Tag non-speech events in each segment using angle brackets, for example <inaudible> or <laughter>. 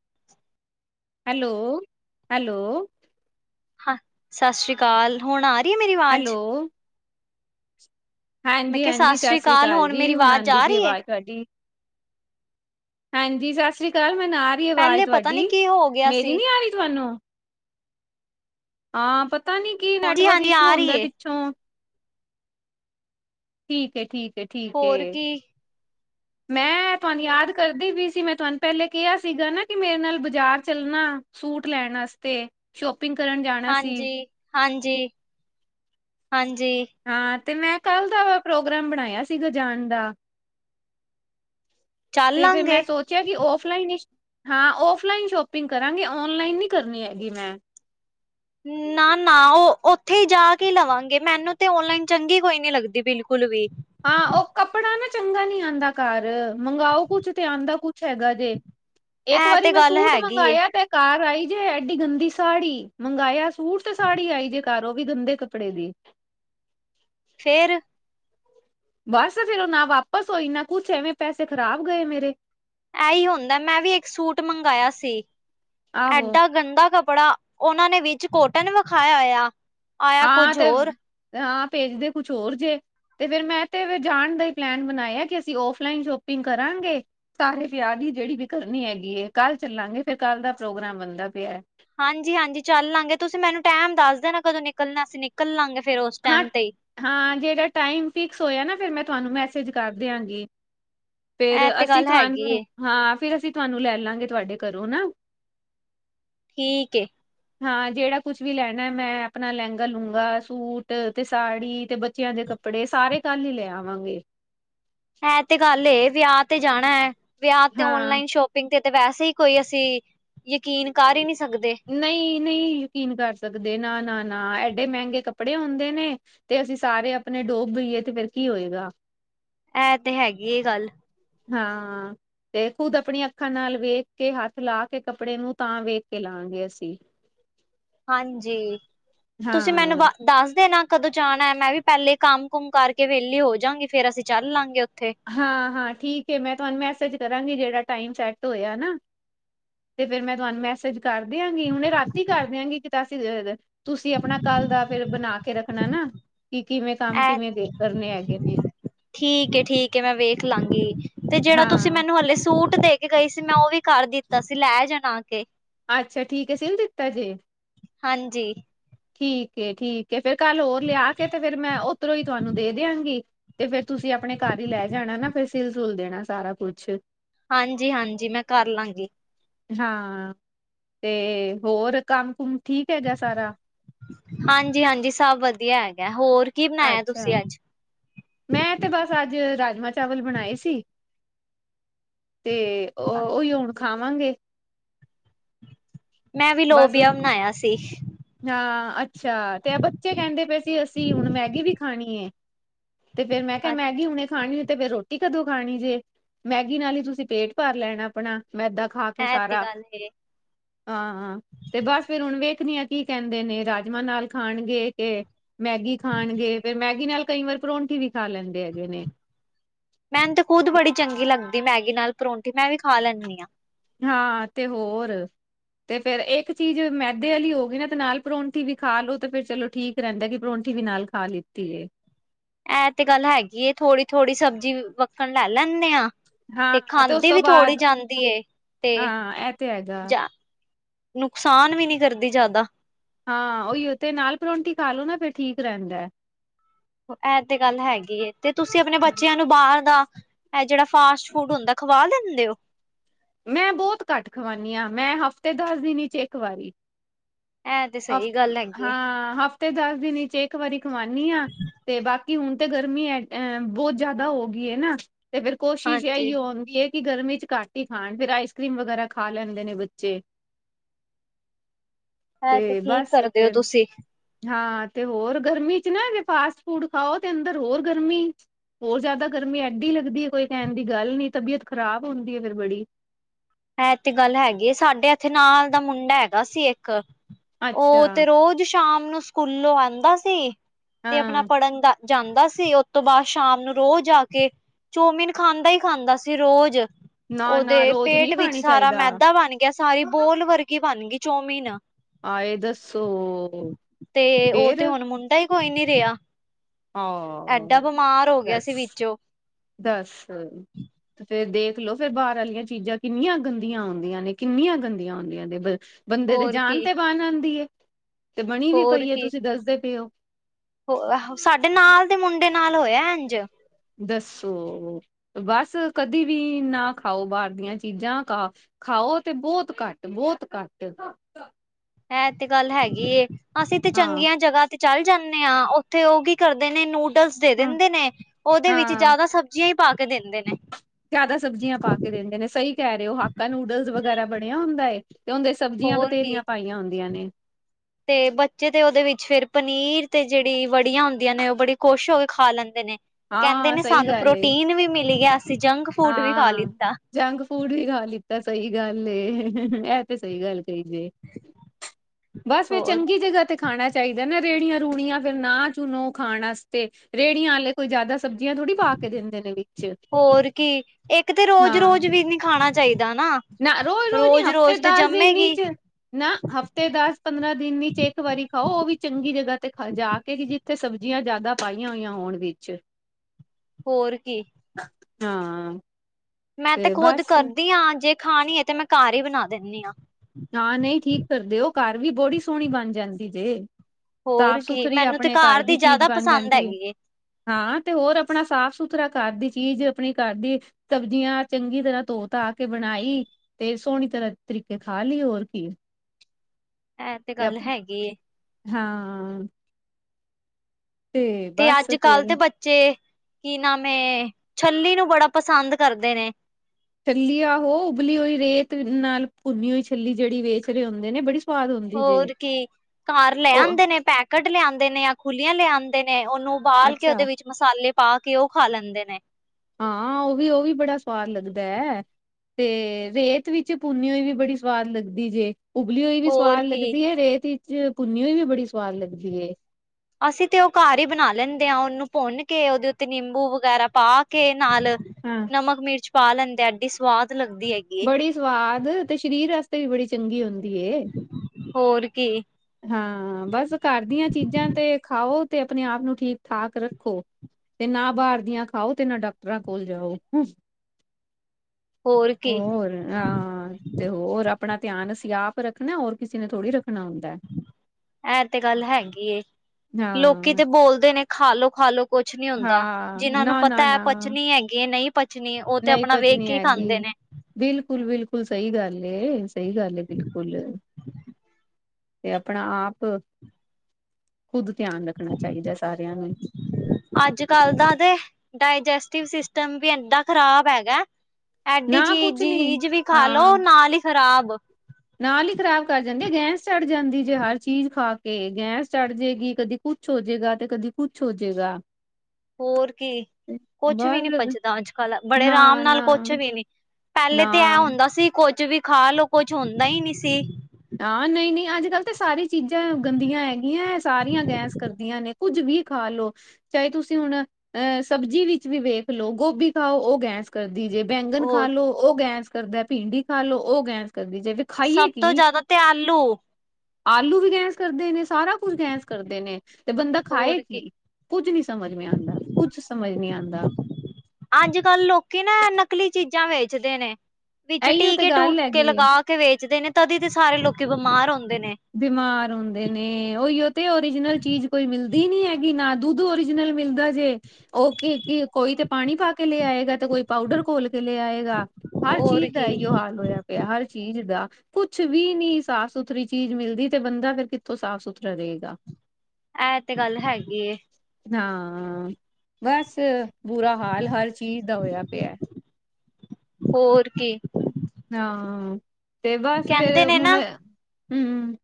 <inaudible> Hello, hello ਹਾਂ, ਸਾਸਰੀ ਕਾਲ, ਹੁਣ ਆ ਰੀ ਹੈ ਮੇਰੀ ਹੈਲੋ ਆਵਾਜ਼। ਮੈਂ ਹਾਂਜੀ- ਕਿਹਾ ਹਾਂਜੀ ਸਤਿ ਸ੍ਰੀ ਸਾਸਰੀ ਅਕਾਲ ਕਾਲ ਜੀ, ਮੇਰੀ ਹੁਣ ਆਵਾਜ਼ ਆਉਂਦੀ ਆ ਪਈ ਰਹੀ ਹੈ ਆਵਾਜ਼ ਤਾਡੀ। ਹਾਂਜੀ, ਸਾਸਰੀ ਕਾਲ, ਹੁਣ ਆ ਰਹੀ ਆਵਾਜ਼ ਪਹਿਲੇ ਪਤਾ ਨੀ ਤੁਹਾਡੀ, ਕੀ ਹੋ ਗਿਆ ਮੇਰੀ ਸੀ ਨੀ ਆ ਰਹੀ ਤੁਹਾਨੂੰ। ਆਂ, ਪਤਾ ਨੀ ਕੀ ਹਾਂਜੀ ਨੈਟਵਰਕ ਹਾਂਜੀ ਇਸ਼ੂ ਆ ਰਹੀ ਹੁੰਦਾ ਏ ਪਿੱਛੋਂ। ਠੀਕ ਹੈ, ਠੀਕ ਹੈ, ਠੀਕ ਹੋਰ ਏ ਕੀ ਮੈਂ ਤੁਹਾਨੂੰ ਯਾਦ ਕਰਦੀ ਪਈ ਸੀ, ਮੈਂ ਤੁਹਾਨੂੰ ਪਹਿਲੇ ਕਿਹਾ ਸੀਗਾ ਨਾ ਕਿ ਮੇਰੇ ਨਾਲ ਬਾਜ਼ਾਰ ਚੱਲਣਾ ਸੂਟ ਲੈਣ ਆਸਤੇ। ਸ਼ੋਪਿੰਗ ਕਰਨ ਜਾਣ ਹਾਂਜੀ- ਹਾਂਜੀ, ਹਾਂਜੀ ਹਾਂ, ਤੇ ਮੈਂ ਕੱਲ੍ਹ ਦਾ ਪ੍ਰੋਗਰਾਮ ਬਣਾਇਆ ਸੀਗਾ ਜਾਣ ਦਾ। ਚੱਲ ਤੇ ਫੇਰ ਮੈਂ ਲਾਂਗੇ ਸੋਚ ਸੋਚਿਆ ਕਿ ਔਫਲਾਈਨ ਵਿੱਚ, ਹਾਂ ਔਫਲਾਈਨ ਸ਼ੋਪਿੰਗ ਕਰਾਂਗੇ ਔਨਲਾਈਨ ਨੀ ਕਰਨੀ ਹੈਗੀ ਮੈਂ। ਨਾ- ਨਾ ਉਹ ਉੱਥੇ ਹੀ ਜਾ ਕੇ ਲਵਾਂਗੇ, ਮੈਨੂੰ ਤੇ ਔਨਲਾਈਨ ਚੰਗੀ ਕੋਈ ਨੀ ਲੱਗਦੀ ਬਿਲਕੁਲ ਵੀ। ਹਾਂ ਉਹ ਕੱਪੜਾ ਨਾ ਚੰਗਾ ਨੀ ਹੁੰਦਾ, ਘਰ ਮੰਗਵਾਓ ਕੁਛ ਤੇ ਆਂਦਾ ਕੁਛ ਹੈਗਾ ਜੇ, ਇੱਕ ਇਹ ਵਰੀ ਤੇ ਮੈਂ ਗੱਲ ਸੂਟ ਹੈਗੀ ਏ ਮੰਗਵਾਇਆ ਤੇ ਘਰ ਆਈ ਜੇ ਐਡੀ ਗੰਦੀ ਸਾੜੀ, ਮੰਗਾਇਆ ਸੂਟ ਤੇ ਸਾੜੀ ਆਈ ਜੇ। ਪਰ ਉਹ ਵੀ ਗੰਦੇ ਕੱਪੜੇ ਦੀ। ਫੇਰ ਬਸ ਫੇਰ ਉਹ ਨਾ ਵਾਪਸ ਹੋਈ, ਨਾ ਕੁਛ ਐਵੇਂ ਪੈਸੇ ਖ਼ਰਾਬ ਗਏ ਮੇਰੇ। ਐਹੀ ਹੁੰਦਾ, ਮੈਂ ਵੀ ਇੱਕ ਸੂਟ ਮੰਗਾਇਆ ਸੀ, ਆਹੋ ਐਡਾ ਗੰਦਾ ਕੱਪ ਬੜਾ, ਉਹਨਾਂ ਨੇ ਵਿੱਚ ਕੋਟਨ ਵਿਖਾਇਆ ਹੋਇਆ। ਆਇਆ ਹਾਂ ਕੁੱਝ ਤੇ, ਹੋਰ ਹਾਂ ਭੇਜਦੇ ਕੁਛ ਹੋਰ ਜੇ। ਤੇ ਫਿਰ ਮੈਂ ਤੇ ਜਾਣ ਦਾ ਈ ਪਲੈਨ ਬਣਾਇਐ ਕਿ ਅਸੀਂ ਔਫਲਾਈਨ ਸ਼ੋਪਿੰਗ ਕਰਾਂਗੇ। ਸਾਰੇ ਵਿਆਹ ਦੀ ਜਿਹੜੀ ਵੀ ਕਰਨੀ ਹੈਗੀ ਏ ਕੱਲ੍ਹ ਚੱਲਾਂਗੇ ਫੇਰ ਕੱਲ ਦਾ ਪ੍ਰੋਗਰਾਮ ਬਣਦਾ ਪਿਐ। ਹਾਂਜੀ ਹਾਂਜੀ, ਚੱਲ ਲਾਂਗੇ ਤੁਸੀਂ ਮੈਨੂੰ ਟੈਮ ਦੱਸ ਦੇਣਾ ਕਦੋਂ ਨਿਕਲਣੈ, ਅਸੀਂ ਨਿਕਲ ਲਾਂਗੇ ਫੇਰ ਉਸ ਹਾਂ ਟੈਮ ਤੇ। ਹਾਂ ਜਿਹੜਾ ਟਾਈਮ ਫਿਕਸ ਹੋਇਆ ਨਾ ਫਿਰ ਮੈਂ ਤੁਹਾਨੂੰ ਮੈਸੇਜ ਕਰ ਦਿਆਂਗੀ। ਫੇਰ ਐ ਤੇ ਅਸੀਂ ਗੱਲ ਹੈਗੀ ਤੁਹਾਨੂੰ, ਏ ਹਾਂ ਫਿਰ ਅਸੀਂ ਤੁਹਾਨੂੰ ਲੈ ਲਵਾਂਗੇ ਤੁਹਾਡੇ ਘਰੋਂ ਨਾ। ਠੀਕ ਏ। ਹਾਂ ਜਿਹੜਾ ਕੁਛ ਵੀ ਲੈਣੈ ਆਪਣਾ ਲਹਿੰਗਾ -ਲੂੰਗਾ ਸੂਟ ਤੇ ਸਾੜੀ ਤੇ ਬੱਚਿਆਂ ਦੇ ਕੱਪੜੇ ਸਾਰੇ ਕੱਲ੍ਹ ਈ ਲੈ ਆਵਾਂਗੇ। ਇਹ ਤੇ ਗੱਲ ਏ ਵਿਆਹ ਤੇ ਜਾਣੈ ਵਿਆਹ ਤੇ ਹਾਂ ਔਨਲਾਈਨ ਸ਼ੋਪ ਪਿੰਗ ਤੇ ਤੇ ਵੈਸੇ ਹੀ ਕੋਈ ਅਸੀਂ ਯਕੀਨ ਕਰ ਈ ਨੀ ਸਕਦੇ। ਨਈ -ਨਈ ਯਕੀਨ ਕਰ ਸਕਦੇ ਨਾ -ਨਾ -ਨਾ ਐਡੇ ਮਹਿੰਗੇ ਕੱਪੜੇ ਹੁੰਦੇ ਨੇ। ਤੇ ਅਸੀਂ ਸਾਰੇ ਆਪਣੇ ਡੋਬ ਦਈਏ ਤੇ ਫਿਰ ਕੀ ਹੋਏਗਾ। ਇਹ ਤੇ ਹੈਗੀ ਇਹ ਗੱਲ ਹਾਂ ਤੇ ਖੁਦ ਆਪਣੀਆਂ ਅੱਖਾਂ ਨਾਲ ਵੇਖ ਕੇ, ਹੱਥ ਲਾ ਕੇ ਕੱਪੜੇ ਨੂੰ ਤਾਂ ਵੇਖ ਕੇ ਲਾਂਗੇ ਅਸੀਂ ਹ <inaudible> ਹਾਂਜੀ, ਤੁਸੀਂ ਮੈਨੂੰ ਦੱਸ ਦੇਣਾ ਕਦੋਂ ਜਾਣੈ, ਮੈਂ ਵੀ ਪਹਿਲੇ ਕੰਮ -ਕੁਮ ਕਰਕੇ ਵਿਹਲੀ ਹੋ ਜਾਂਗੀ, ਫੇਰ ਅਸੀਂ ਚੱਲ ਲਾਂਗੇ ਉੱਥੇ ਹਾਂ- ਹਾਂ ਠੀਕ ਏ ਮੈਂ ਤੁਹਾਨੂੰ ਮੈਸੇਜ ਕਰਾਂਗੀ ਜਿਹੜਾ ਟਾਈਮ ਸੈੱਟ ਹੋਇਆ ਨਾ ਤੇ ਫਿਰ ਮੈਂ ਤੁਹਾਨੂੰ ਮੈਸੇਜ ਕਰ ਦਿਆਂਗੀ ਹੁਣੇ ਰਾਤੀ ਕਰ ਦਿਆਂਗੀ ਕਿ ਤਾਂ ਅਸੀ ਤੁਸੀਂ ਆਪਣਾ ਕੱਲ ਦਾ ਫਿਰ ਬਣਾ ਕੇ ਰੱਖਣਾ ਨਾ ਕਿ ਕਿਵੇਂ ਕੰਮ ਐ ਕਿਵੇਂ ਦੇ ਕਰਨੇ ਹੈਗੇ ਨੇ। ਠੀਕ ਏ -ਠੀਕ ਏ, ਮੈਂ ਵੇਖ ਲਾਂਗੀ, ਤੇ ਜਿਹੜਾ ਤੁਸੀਂ ਹਾਂ ਮੈਨੂੰ ਹਲੇੇ ਸੂਟ ਦੇ ਕੇ ਗਏ ਸੀ ਮੈਂ ਉਹ ਵੀ ਕਰ ਦਿੱਤਾ ਸੀ ਲੈ ਜਾਣਾ ਆ ਕੇ। ਅੱਛਾ ਠੀਕ ਏ, ਸਿਲ ਦਿੱਤਾ ਜੇ ਹਾਂਜੀ ਠੀਕ ਏ ਠੀਕ ਏ, ਫੇਰ ਕੱਲ ਹੋਰ ਲਿਆ ਕੇ ਤੇ ਫੇਰ ਮੈਂ ਉਧਰੋਂ ਹੀ ਤੁਹਾਨੂੰ ਦੇ ਦਿਆਂਗੀ। ਤੇ ਫਿਰ ਤੁਸੀਂ ਆਪਣੇ ਘਰ ਹੀ ਲੈ ਜਾਣਾ ਨਾ ਫਿਰ ਸਿਲ- ਸੁਲ ਦੇਣਾ ਸਾਰਾ ਕੁਛ ਹਾਂਜੀ -ਹਾਂਜੀ ਮੈਂ ਕਰ ਲਾਂਗੀ। ਹਾਂ, ਤੇ ਹੋਰ ਕੰਮ -ਕੁਮ ਠੀਕ ਹੈਗਾ ਸਾਰਾ ਹਾਂਜੀ -ਹਾਂਜੀ, ਸਭ ਵਧੀਆ ਹੈਗੈ, ਹੋਰ ਕੀ ਬਣਾਇਆ ਅੱਛਾ ਤੁਸੀਂ ਅੱਜ ਮੈਂ ਤੇ ਬਸ ਅੱਜ ਰਾਜਮਾਂਹ ਚਾਵਲ ਬਣਾਏ ਸੀ। ਤੇ ਉਹ ਉਹੀਓ ਹੁਣ ਖਾਵਾਂਗੇ। ਮੈਂ ਵੀ ਬਸ ਲੋਬੀਆ ਬਨਾਇਆ ਸੀ। ਹਾਂ, ਅੱਛਾ, ਤੇ ਇਹ ਬੱਚੇ ਕਹਿੰਦੇ ਪਏ ਸੀ ਅਸੀਂ ਹੁਣ ਮੈਗੀ ਵੀ ਖਾਣੀ ਏ। ਤੇ ਫੇਰ ਮੈਂ ਕਿਹਾ ਮੈਗੀ ਹੁਣੇ ਖਾਣੀ ਤੇ ਫੇਰ ਰੋਟੀ ਟ ਕਦੋਂ ਖਾਣੀ ਜੇ, ਮੈਗੀ ਨਾਲ ਹੀ ਤੁਸੀਂ ਪੇਟ ਭਰ ਲੈਣੈ ਆਪਣਾ ਮੈਦਾ ਖਾ ਕੇ ਇਹ ਤੇ ਸਾਰਾ, ਗੱਲ ਏ। ਆਂ। ਤੇ ਬਸ ਫਿਰ ਹੁਣ ਵੇਖਦੀ ਆ ਕੀ ਕਹਿੰਦੇ ਨੇ ਰਾਜਮਾਂਹ ਨਾਲ ਖਾਣਗੇ ਕਿ ਮੈਗੀ ਖਾਣਗੇ ਫੇਰ ਮੈਗੀ ਨਾਲ ਕਈ ਵਾਰ ਪਰੌਂਠੀ ਵੀ ਖਾ ਲੈਂਦੇ ਹੈਗੇ ਨੇ। ਮੈਨੂੰ ਤਾਂ ਖੁਦ ਬੜੀ ਚੰਗੀ ਲੱਗਦੀ ਮੈਂਗੀ ਨਾਲ ਪਰੋਂਠੀ ਮੈਂ ਵੀ ਖਾ ਲੈਂਨੀ ਆਂ। ਹਾਂ ਤੇ ਹੋਰ ਤੇ ਫੇਰ ਇੱਕ ਚੀਜ਼ ਮੈਦੇ ਵਾਲੀ ਹੋ ਗਈ ਨਾ ਤੇ ਨਾਲ ਪਰੌਂਠੀ ਵੀ ਖਾ ਲੋ ਤੇ ਫੇਰ ਚਲੋ ਠੀਕ ਰਹਿੰਦੈ ਕਿ ਪਰੌਂਠੀ ਵੀ ਨਾਲ ਖਾ ਲਿੱਤੀ ਏ। ਐਂ ਤੇ ਗੱਲ ਹੈਗੀ ਥੋੜ੍ਹੀ- ਥੋੜ੍ਹੀ ਸਬਜ਼ੀ ਵੱਕਣ ਲੈ ਲੈਂਨੇ ਆਂ। ਤੇ ਹਾਂ ਉਸ ਖਾਂਦੀ ਤੋਂ ਵੀ ਥੋੜ੍ਹੀ ਬਾਅਦ ਜਾਂਦੀ ਏ ਤੇ ਹਾਂ ਇਹ ਤੇ ਹੈਗਾ ਜਾ ਨੁਕਸਾਨ ਵੀ ਨੀ ਕਰਦੀ ਜਾਦਾ ਹਾਂ, ਉਈ ਓ ਤੇ ਨਾਲ ਪਰੌਂਠੀ ਖਾ ਲੋ ਨਾ ਫੇਰ ਠੀਕ ਰੈਂਦੈ। ਐ ਤੇ ਗੱਲ ਹੈਗੀ ਏ ਤੇ ਤੁਸੀਂ ਆਪਣੇ ਬੱਚਿਆਂ ਨੂੰ ਬਾਰ ਦਾ ਏ ਜੇੜਾ ਫਾਸਟ ਫੂਡ ਹੁੰਦੈ ਖਵਾ ਲੈਂਦੇ ਓ। ਮੈਂ ਬੋਤ ਕੱਟ ਖਵਾਨੀ ਆਂ, ਮੈਂ ਹਫਤੇ ਦਸ ਦੇਨ ਈਚ ਏਕ ਵਾਰੀ ਇਹ ਤੇ ਹਫ, ਸਹੀ ਗੱਲ ਹੈਗੀ ਏ। ਹਾਂ ਹਫ਼ਤੇ ਦਸ ਦਿਨ ਏਚ ਏਕ ਵਾਰੀ ਖਵਾਨੀ ਆਂ। ਤੇ ਬਾਕੀ ਹੁਣ ਤੇ ਗਰਮੀ ਅ ਬੋਤ ਜਾਦਾ ਹੋ ਗਈ ਐ ਨਾ ਤੇ ਫੇਰ ਕੋਸ਼ਿਸ਼ ਹਾਂਜੀ। ਐਈ ਓ ਉਂਦੀ ਐ ਕਿ ਗਰਮੀ 'ਚ ਘੱਟ ਈ ਖਾਣ ਫੇਰ ਆਈਸਕ੍ਰੀਮ ਵਗੈਰਾ ਖਾ ਲੈਂਦੇ ਨੇ ਬੱਚੇ ਤੇ ਇਹ ਠੀਕ ਬੱਸ ਕਰਦੇ ਹੋ ਫੇਰ ਤੁਸੀਂ ਹਾਂ ਤੇ ਹੋਰ ਗਰਮੀ 'ਚ ਨਾ ਜੇ ਫਾਸਟ ਫੂਡ ਖਾਓ ਤੇ ਅੰਦਰ ਔਰ ਗਰਮੀ ਹੋਰ ਜਾਦਾ ਗਰਮੀ ਐਡੀ ਲੱਗਦੀ ਏ ਕੋਈ ਕੈਣ ਦੀ ਗਲ ਨੀ ਤਬੀਅਤ ਖਰਾਬ ਉਂਦੀ ਏ ਫਿਰ ਬੜੀ ਐ ਤੇ ਗੱਲ ਹੈਗੀ ਏ, ਸਾਡੇ ਇੱਥੇ ਨਾਲ ਦਾ ਮੁੰਡਾ ਐਗਾ ਸੀ ਇੱਕ ਅੱਛਾ ਓ ਤੇ ਰੋਜ ਸ਼ਾਮ ਨੂੰ ਸਕੂਲੋਂ ਆਂਦਾ ਸੀ ਤੇ ਆਪਣਾ ਹਾਂ ਪੜ੍ਹਨ ਦਾ ਜਾਂਦਾ ਸੀ, ਓਸ ਤੋਂ ਬਾਅਦ ਸ਼ਾਮ ਨੂੰ ਰੋਜ ਆ ਕੇ ਚੌਮਿਨ ਖਾਂਦਾ ਈ ਖਾਂਦਾ ਸੀ ਰੋਜ ਨਾ ਨਾ ਰੋਜ ਪੇਟ ਵਿੱਚ ਸਾਰਾ ਮੈਦਾ ਬਣ ਗਿਆ ਸਾਰੀ ਬੋਲ ਵਰਗੀ ਬਨ ਗੀ ਚੋਮੀਨ ਆਏ ਦੱਸੋ ਤੇ ਓ ਤੇ ਫੇਰ ਹੁਣ ਮੁੰਡਾ ਈ ਕੋਈ ਨੀ ਰਿਆ। ਹਾ ਐਡਾ ਬਿਮਾਰ ਹੋ ਗਿਆ ਸੀ ਵਿੱਚੋਂ ਦੱਸ ਤੇ ਫੇਰ ਦੇਕਲੋ ਫੇਰ ਬਾਰ ਆਲੀਆਂ ਚੀਜ਼ਾਂ ਕਿੰਨੀਆਂ ਗੰਦੀਆਂ ਉਂਦੀਆਂ ਨੇ ਕਿੰਨੀਆਂ ਗੰਦੀਆਂ ਉਂਦੀਆਂ ਨੇ ਬੰਦੇ ਦੀ ਹੋਰ ਜਾਨ ਕੀ ਤੇ ਬਨ ਆਂਦੀ ਏ ਤੇ ਬਨੀ ਵੀ ਹੋਰ ਪਈ ਏ ਕੀ ਤੁਸੀਂ ਦੱਸਦੇ ਪੇ ਓ। ਸਾਡੇ ਨਾਲ ਦੇ ਮੁੰਡੇ ਨਾਲ ਓਇਐ ਇੰਜ ਦੱਸੋ ਬਸ ਕਦੀ ਵੀ ਨਾ ਖਾਓ ਬਾਰ ਦੀਆਂ ਚੀਜਾਂ ਖਾ ਖਾਓ ਤੇ ਬੋਤ ਕੱਟ ਬੋਤ ਕੱਟ ਐ ਤੇ ਗੱਲ ਹੈਗੀ ਏ ਅਸੀਂ ਤੇ ਹਾਂ ਚੰਗੀਆਂ ਜਗਾ ਤੇ ਚਲ ਜਾਂਨੇ ਆਂ, ਉੱਥੇ ਓ ਕੀ ਕਰਦੇ ਨੇ ਨੂਡਲਸ ਦੇ ਹਾਂ ਦਿੰਦੇ ਨੇ ਓਦੇ ਵਿੱਚ ਹਾਂ ਜਿਆਦਾ ਸਬਜ਼ ਜੀਆਂ ਈ ਪਾ ਕੇ ਦਿੰਦੇ ਨੇ। ਜਾਦਾ ਸਬਜ਼ੀਆਂ ਪਾ ਕੇ ਦਿੰਦੇ ਨੇ ਸਈ ਕੈ ਰੇ ਓ ਹਾਕਾ ਨੂਡਲਸ ਵਗੈਰਾ ਬਣਿਆ ਹੁੰਦਾ ਏ ਤੇ ਉਂਦੇ 'ਚ ਸਬਜ਼ੀਆਂ ਹੋਰ ਕੀ ਬਤੇਰੀਆਂ ਪਾਈਆਂ ਹੁੰਦੀਆਂ ਨੇ ਤੇ ਬੱਚੇ ਤੇ ਓਦੇ ਵਿੱਚ ਫੇਰ ਪਨੀਰ ਤੇ ਜੇੜੀ ਵੜੀਆਂ ਉਂਦੀਆਂ ਨੇ ਓ ਬੜੀ ਖੁਸ਼ ਹੋ ਕੇ ਖਾ ਲੈਂਦੇ ਨੇ। ਕੈਂਦੇ ਹਾਂ ਨੇ ਸਹੀ ਸਾਨੂੰ ਗੱਲ ਏ ਪ੍ਰੋਟੀਨ ਵੀ ਮਿਲ ਗਿਆ ਅਸੀਂ ਜੰਗ ਹਾਂ ਜੰਕ ਫੂਡ ਵੀ ਖਾ ਲੀਤਾ ਸਈ ਗੱਲ ਏ ਇਹ ਤੇ ਸਈ ਗੱਲ ਕਹੀ ਜੇ। ਬੱਸ ਫੇ ਹੋਰ ਚੰਗੀ ਜਗ੍ਹਾ ਤੇ ਖਾਣਾ ਚਾਹੀਦੈ ਨਾ ਰੇੜੀਆਂ-ਰੂੜੀਆਂ ਫੇਰ ਨਾ ਚੁਨੋ ਖਾਣ ਆਸਤੇ। ਰੇੜੀਆਂ ਆਲੇ ਕੋਈ ਜਾਦਾ ਸਬਜ਼ੀਆਂ ਥੋੜ੍ਹੀ ਪਾ ਕੇ ਦਿੰਦੇ ਨੇ ਵਿੱਚ ਹੋਰ ਕੀ ਏਕ ਤੇ ਹਾਂ ਰੋਜ-ਰੋਜ ਵੀ ਨੀ ਖਾਣਾ ਚਾਹੀਦਾ ਨਾ। ਨਾ ਰੋਜ-ਰੋਜ ਨੀ ਰੋਜ਼ ਹਫ਼ਤੇ ਰੋਜ਼ ਤੇ ਦੱਸ ਦਿਨ ਜੰਮੇਗੀ ਈਚ ਨਾ ਹਫਤੇ ਦਸ ਪੰਦਰਾਂ ਦਿਨ ਈਚ ਇੱਕ ਵਾਰੀ ਖਾਓ ਓ ਵੀ ਚੰਗੀ ਜਗਾ ਤੇ ਖ ਜਾ ਕੇ ਕੀ ਜੀ ਤੇ ਸਬਜ਼ੀਆਂ ਜਾਦਾ ਪਾਈਆਂ ਓਈਆਂ ਹੋਣ ਵਿੱਚ ਹੋਰ ਕੀ। ਹਾਂ। ਮੈਂ ਤੇ ਖੁਦ ਕਰਦੀ ਆਂ, ਜੇ ਖਾਨੀ ਏ ਤੇ ਮੈਂ ਘਰ ਈ ਬਨਾ ਦੇਨੀ ਆਂ। ਹਾਂ ਨਈ ਠੀਕ ਕਰਦੇ ਓ ਘਰ ਵੀ ਬੜੀ ਸੋਨੀ ਬਨ ਜਾਂਦੀ ਜੇ। ਹੋਰ ਸਾਫ਼ ਕੀ ਸੁਥਰੀ ਮੈਨੂੰ ਤੇ ਅਪਣੇ ਘਰ ਦੀ ਚੀਜ਼ ਜ਼ਿਆਦਾ ਬਣ ਪਸੰਦ ਜਾਂਦੀ ਏ। ਹੈਗੀ ਹਾਂ ਤੇ ਹੋਰ ਅਪਣਾ ਸਾਫ ਸੁਥਰਾ ਘਰ ਦੀ ਚੀਜ਼ ਅਪਣੀ ਘਰ ਦੀ ਸਬਜ਼ੀਆਂ ਚੰਗੀ ਤਰ੍ਹਾਂ ਧੋ ਧਾ ਕੇ ਬਣਾਈ ਤੇ ਸੋਣੀ ਤਰ੍ਹਾਂ ਤਰੀਕੇ ਖਾ ਲੀ ਹੋਰ ਕੀ। ਐ ਤੇ ਗੱਲ ਹੈਗੀ ਏ। ਹਾਂ। ਤੇ ਬਸ ਅੱਜ ਕੱਲ ਤੇ ਫੇਰ ਬੱਚੇ ਕੀ ਨਾਮ ਏ ਛੱਲੀ ਨੂੰ ਬੜਾ ਪਸੰਦ ਕਰਦੇ ਨੇ। ਛੱਲੀ ਆਹੋ ਉਬਲੀ ਹੋਈ ਰੇਤ ਨਾਲ ਭੁੰਨੀ ਹੋਈ ਛੱਲੀ ਜੇੜੀ ਵੇਚ ਰੇ ਹੁੰਦੇ ਨੇ ਬੜੀ ਸਵਾਦ ਹੁੰਦੀ ਜੇ ਹੋਰ ਕੀ, ਘਰ ਲੈ ਉਹ ਆਂਦੇ ਨੇ ਪੈਕਟ ਲੈ ਆਂਦੇ ਨੇ ਯਾਂ ਖੁੱਲੀਆਂ ਲੈ ਆਂਦੇ ਨੇ ਓਨੂੰ ਉਬਾਲ ਕੇ ਅੱਛਾ ਓਦੇ ਵਿੱਚ ਮਸਾਲੇ ਪਾ ਕੇ ਓ ਖਾ ਲੈਂਦੇ ਨੇ। ਹਾਂ ਓ ਵੀ ਓ ਵੀ ਬੜਾ ਸਵਾਦ ਲੱਗਦਾ ਏ ਤੇ ਰੇਤ ਵਿੱਚ ਪੁੰਨੀ ਹੋਈ ਵੀ ਬੜੀ ਸਵਾਦ ਲੱਗਦੀ ਜੇ ਉਬਲੀ ਹੋਈ ਵੀ ਹੋਰ ਸਵਾਦ ਕੀ ਲੱਗਦੀ ਏ ਰੇਤ ਵਿਚ ਭੁੰਨੀ ਹੋਈ ਵੀ ਬੜੀ ਸਵਾਦ ਲੱਗਦੀ ਏ। ਅਸੀਂ ਤੇ ਓ ਘਰ ਈ ਬਨਾ ਲੈਂਨੇ ਆਂ। ਓਨੂੰ ਭੁੰਨ ਕੇ ਓਦੇ ਉੱਤੇ ਨਿੰਬੂ ਵਗੈਰਾ ਪਾ ਕੇ ਕੇ ਨਾਲ ਹਾਂ। ਨਮਕ, ਮਿਰਚ ਪਾ ਲੈਂਦੇ ਆ ਐਡੀ ਸਵਾਦ ਲੱਗਦੀ ਹੈਗੀ ਏ ਬੜੀ ਸਵਾਦ ਤੇ ਸ਼ਰੀਰ ਵਾਸਤੇ ਵੀ ਬੜੀ ਚੰਗੀ ਹੁੰਦੀ ਏ। ਹੋਰ ਕੀ। ਹਾਂ ਬਸ ਘਰ ਦੀਆਂ ਚੀਜ਼ਾਂ ਤੇ ਖਾਓ ਤੇ ਅਪਨੇ ਆਪ ਨੂੰ ਠੀਕ ਠਾਕ ਰੱਖੋ। ਤੇ ਨਾ ਬਾਰ ਦੀਆਂ ਖਾਓ ਤੇ ਨਾ ਡਾਕਟਰਾਂ ਕੋਲ ਜਾਓ। ਹੋਰ ਹਾਂ ਤੇ ਹੋਰ ਅਪਣਾ ਧੇਆਨ ਅਸੀ ਆਪ ਰੱਖਣਾ ਹੋਰ ਕਿਸੇ ਨੇ ਥੋੜ੍ਹੀ ਰੱਖਣਾ ਹੁੰਦਾ ਐ। ਐ ਤੇ ਗੱਲ ਹੈਗੀ ਏ। ਲੋਕੀ ਹਾਂ। ਤੇ ਬੋਲਦੇ ਨੇ ਖਾ ਲੋੋ ਖਾ ਲੋ। ਕੁੱਛ ਨੀ ਹੁੰਦਾ। ਹਾਂ ਜਿਨਾਂ ਨੂੰ ਨਾ ਨਾ ਪਤਾ ਐ ਨਾ ਪਚਨੀ ਹੈਗੀ ਏ ਨਈ ਪੱਚਨੀ। ਓ ਤੇ ਅਪਣਾ ਵੇਖ ਕੇ ਈ ਖਾਂਦੇ ਨੇ ਬਿਲਕੁਲ -ਬਿਲਕੁਲ ਸਈ ਗੱਲ ਏ ਸਈ ਗੱਲ ਏ ਬਿਲਕੁਲ। ਤੇ ਅਪਣਾ ਆਪ ਖ਼ੁਦ ਧੇਆਨ ਰੱਖਣਾ ਚਾਈਦਾ ਸਾਰੇਆਂ ਨੂੰਈ। ਅੱਜ-ਕੱਲ ਦਾ ਤੇ ਡਾਇਜੈਸਟਿਵ ਸਿਸਟਮ ਵੀ ਏਡਾ ਖ਼ਰਾਬ ਹੈਗਾ ਐ। ਐਡੀ ਨਾ ਕੁਛ ਨੀ ਚੀਜ਼ੀਜ਼ ਵੀ ਖਾ ਹਾਂ। ਲੋੋ ਨਾਲ ਈ ਖਰਾਬ। ਨਾਲ ਈ ਖਰਾਬ ਕਰ ਜਾਂਦੀ ਐ। ਗੈਂਸ ਚੜ੍ਹ ਜਾਂਦੀ ਜੇ ਹਰ ਚੀਜ਼ ਖਾ ਕੇ ਗੈਸ ਚੜ ਜਾਏਗੀ ਕਦੀ ਕੁੱਛ ਹੋਜੇਗਾ ਤੇ ਕਦੀ ਕੁਛ ਹੋਜੇਗਾ। ਹੋਰ ਕੀ ਕੁੱਛ ਵੀ ਨੀ ਬਸ ਪੱਚਦਾ ਅੱਜ-ਕੱਲ ਬੜੇ ਰਾਮ ਨਾਲ ਨਾ-ਨਾ, ਕੁੱਛ ਵੀ ਨੀ ਨਾ ਪੈਲੇ ਤੇ ਐ ਨਾ ਹੋਂਦਾ ਸੀ ਕੁਛ ਵੀ ਖਾ ਲੋ ਕੁੱਛ ਹੋਂਦਾ ਈ ਨੀ ਸੀ ਹਾਂ, ਨੀਂ ਨੀ ਅੱਜ-ਕੱਲ ਤਾਂ ਸਾਰੀ ਚੀਜਾਂ ਗੰਦੀਆਂ ਹੈਗੀਆਂ ਸਾਰੀਆਂ ਗੈਂਸ ਕਰਦੀਆਂ ਨੇ। ਕੁੱਝ ਵੀ ਖਾ ਲੋ ਚਾਏ ਤੁਸੀ ਹੁਣ ਅ ਸਬਜ਼ੀ ਵਿੱਚ ਵੀ ਵੇਖ ਲੋ ਗੋਭੀ ਖਾਓ ਓ ਗੈਸ ਕਰਦੀ ਜੇ, ਬੈਂਗਣ ਖਾ ਉਹ ਲੋ, ਓ ਗੈਸ ਕਰਦੈ ਭਿੰਡੀ ਖਾ ਲੋ ਓ ਗੈਸ ਕਰਦੀ ਜੇ ਖਾਈਏ ਸਭ ਕੀ ਤੋਂ ਜਾਦਾ ਤੇ ਆਲੂ ਆਲੂ ਵੀ ਗੈਸ ਕਰਦੇ ਨੇ ਸਾਰਾ ਕੁਝ ਗੈਸ ਕਰਦੇ ਨੇ ਤੇ ਬੰਦਾ ਖਾਏ ਕੀ। ਕੁੱਝ ਨੀ ਸਮਝ ਮੇ ਆਂਦਾ। ਕੁੱਛ ਸਮਝ ਨੀ ਆਂਦਾ। ਅੱਜ-ਕੱਲ ਲੋਕੀ ਨਾ ਨਕਲੀ ਚੀਜਾਂ ਵੇਚਦੇ ਨੇ ਵਿੱਚ ਇਹੀਓ ਤੇ ਟੀਕੇ ਗੱਲ ਟੂਕੇ ਹੈਗੀ ਏ ਲਗਾ ਤੇ ਵੇਚਦੇ ਨੇ ਤਦੀ ਤੇ ਸਾਰੇ ਲੋਕੀ ਬਮਾਰ ਹੁੰਂਦੇ ਨੇ ਬਿਮਾਰ ਹੁੰਦੇ ਨੇ। ਓਈਓ ਤੇ ਓਰੀਜਨਲ ਚੀਜ ਕੋਈ ਮਿਲਦੀ ਨੀ ਹੈਗੀ ਨਾ ਦੁੱਧ ਓਰੀਜਨਲ ਮਿਲਦਾ ਜੇ ਉਹ ਕਿ-ਕੀ ਕੋਈ ਤੇ ਪਾਨੀ ਪਾ ਕੇ ਲੈ ਆਏਗਾ ਤੇ ਕੋਈ ਪਾਊਡਰ ਘੋਲ ਕੇ ਲੈ ਆਏਗਾ ਹਰ ਹੋਰ ਚੀਜ਼ ਕੀ ਦਾ ਇਹੋ ਹਾਲ ਹੋਇਆ ਪੇਆ ਹਰ ਚੀਜ਼ ਦਾ ਕੁੱਛ ਵੀ ਨੀ ਸਾਫ਼ ਸੁਥਰੀ ਚੀਜ਼ ਮਿਲਦੀ ਤੇ ਬੰਦਾ ਫਿਰ ਕਿੱਥੋਂ ਸਾਫ਼ ਸੁਥਰਾ ਰਹੇਗਾ ਐ ਤੇ ਗੱਲ ਹੈਗੀ ਏ ਹਾਂ ਬਸ ਬੁਰਾ ਹਾਲ ਹਰ ਚੀਜ਼ ਦਾ ਹੋਇਆ ਪੇਆ ਹੋਰ ਕੀ ਹਾਂ ਤੇ ਬਸ ਫੇਰ ਕਹਿੰਦੇ ਹੁਣ ਹਮ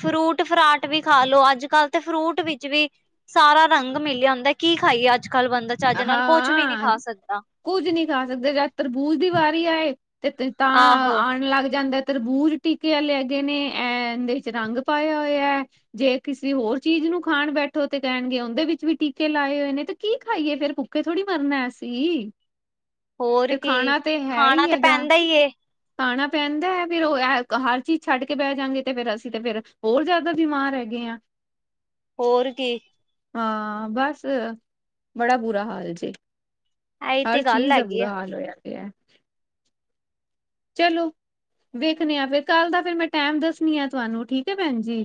ਫਰੂਟ-ਫਰਾਟ ਵੀ ਖਾ ਲੋੋ ਅੱਜ-ਕੱਲ੍ਹ ਤੇ ਫਰੂਟ ਵਿੱਚ ਵੀ ਸਾਰਾ ਰੰਗ ਮਿਲਿਆ ਹੁੰਦਾ ਏ ਕੀ ਖਾਈਏ ਅੱਜ-ਕੱਲ੍ਹ ਬੰਦਾ ਚੱਜ ਨਾਲ ਕੁਛ ਵੀ ਨੀ ਹਾਂ ਖਾ ਸਕਦਾ। ਕੁੱਝ ਨਹੀ ਖਾ ਸਕਦੇ ਜਾ ਤਰਬੂਜ ਦੀ ਵਾਰੀ ਆਏ ਤੇ ਤਾਂ ਆਹੋ ਆਣ ਲੱਗ ਜਾਂਦਾ ਤਰਬੂਜ ਟੀਕੇ ਵਾਲੇ ਹੈਗੇ ਨੇ ਇਹਦੇ ਚ ਰੰਗ ਪਾਇਆ ਹੋਇਆ ਏ ਜੇ ਕਿਸੇ ਹੋਰ ਚੀਜ਼ ਨੂੰ ਖਾਨ ਬੈਠੋ ਤੇ ਕਹਿਨਗੇ ਉਹਦੇ ਵਿੱਚ ਵੀ ਟੀਕੇ ਲਾਏ ਹੋਏ ਨੇ ਤੇ ਕੀ ਖਾਈਏ ਫੇਰ ਭੁੱਖੇ ਥੋੜੀ ਮਰਨਾ ਅਸੀਂ ਹੋਰ ਤੇ ਕੀ ਖਾਨਾ ਤੇ ਹੈ ਖਾਣਾ ਹੀ ਤੇ ਹੈਗਾ। ਪੈਂਦਾ ਈ ਏ ਖਾਨਾ ਪੈਂਦਾ ਐ ਫਿਰ ਉਹ ਹਰ ਚੀਜ਼ ਛੱਡ ਕੇ ਬਹਿ ਜਾਂਗੇ ਤੇ ਫਰ ਅਸੀਂ ਤੇ ਫੇਰ ਹੋਰ ਜ਼ਿਆਦਾ ਬਿਮਾਰ ਹੈਗੇ ਆ ਹੋਰ ਕੀ ਹਾਂ ਬੱਸ। ਬੜਾ ਬੁਰਾ ਹਾਲ ਜੇ, ਇਹੀ ਤੇ ਹਰ ਗੱਲ ਚੀਜ਼ ਦਾ ਹੈਗੀ ਆ। ਬੁਰਾ ਹਾਲ ਹੋਇਆ ਪੇਆ ਚਲੋ, ਵੇਖਨੇ ਆ ਫਿਰ ਕੱਲ ਦਾ ਫਿਰ ਮੈਂ ਟੈਮ ਦੱਸਣੀ ਆ ਤੁਹਾਨੂੰ ਠੀਕ ਹੈ ਪੈਣ ਜੀ।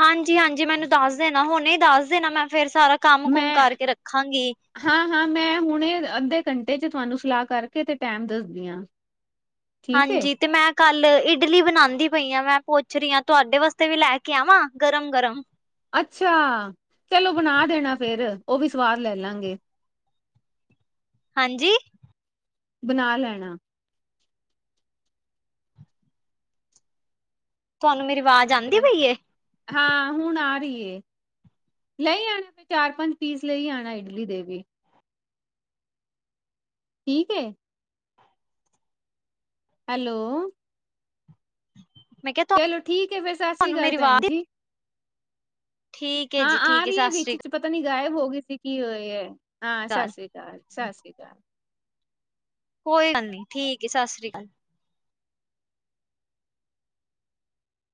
ਹਾਂਜੀ-ਹਾਂਜੀ ਮੈਨੂੰ ਦੱਸ ਦੇਨਾ ਹੁਣੇ ਦੱਸ ਦੇਨਾ ਮੈਂ ਫਿਰ ਸਾਰਾ ਕੰਮ-ਕੁਮ ਮੈਂ ਕਰਕੇ ਰੱਖਾਂਗੀ। ਹਾਂ-ਹਾਂ ਮੈਂ ਹੁਨੇ ਅੱਧੇ ਘੰਟੇ ਚ ਤੁਹਾਨੂੰ ਸਲਾਹ ਕਰਕੇ ਤੇ ਟੈਮ ਦੱਸਦੀ ਆ ਠੀਕ ਏ ਹਾਂਜੀ ਤੇ ਮੈਂ ਕੱਲ ਇਡਲੀ ਬਣਾੰਦੀ ਪਈ ਆ ਮੈਂ ਪੁੱਛ ਰਹੀ ਆ ਤੁਹਾਡੇ ਵਾਸਤੇ ਵੀ ਲੈ ਕੇ ਆਵਾਂ ਗਰਮ-ਗਰਮ ਅੱਛਾ, ਚਲੋ ਬਨਾ ਦੇਣਾ ਫੇਰ ਉਹ ਵੀ ਸਵਾਦ ਲੈ ਲਾਂਗੇ। ਹਾਂਜੀ। ਬਨਾ ਲੈਣਾ। ਤੁਹਾਨੂੰ ਮੇਰੀ ਆਵਾਜ਼ ਆੰਦੀ ਫੇਰ ਪਈ ਏ ਹਾਂ, ਹੁਣ ਆ ਰਹੀ ਏ ਲਈ ਆਨਾ ਅਪਨਾ ਚਾਰ ਪੰਜ ਪੀਸ ਲਈ ਆਨਾ ਇਡਲੀ ਦੇ ਠੀਕ ਏ। ਹੈਲੋ। ਮੈਂ ਕਿਹਾ ਚਲੋ ਠੀਕ ਏ, ਫੇਰ ਸਤਿ ਸ੍ਰੀ ਤੁਹਾਨੂੰ ਅਕਾਲ ਮੇਰੀ ਪੈਣ ਆਵਾਜ਼ ਜੀ ਠੀਕ ਏ ਹਾਂ ਜੀ ਆ ਠੀਕ ਰਹੀ ਏ ਸਤਿ ਸ੍ਰੀ ਵਿੱਚ ਚ ਪਤਾ ਨੀ ਗਾਇਬ ਹੋ ਗਈ ਸੀ, ਕੀ ਹੋਏਆ ਹਾਂ ਸਤਿ ਸ੍ਰੀ ਅਕਾਲ ਸਤਿ ਸ੍ਰੀ ਅਕਾਲ। ਕੋਈ ਗੱਲ ਨੀ, ਠੀਕ ਏ ਸਸਰੀ ਅਕਾਲ।